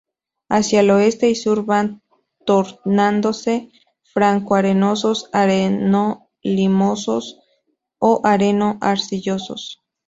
Hacia el oeste y sur van tornándose franco-arenosos, areno-limosos, o areno-arcillosos.